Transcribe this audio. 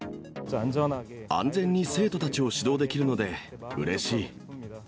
安全に生徒たちを指導できるのでうれしい。